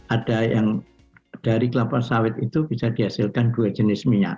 ada yang dari kelapa sawit itu bisa dihasilkan dua jenis minyak